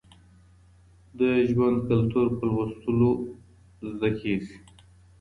د ژوند کلتور په لوستلو زده کېږي.